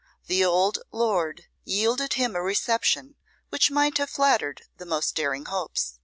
The old lord yielded him a reception which might have flattered the most daring hopes.